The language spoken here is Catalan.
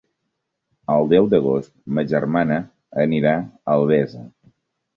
El deu d'agost ma germana irà a Albesa.